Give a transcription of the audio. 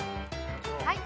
はい。